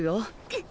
くっ。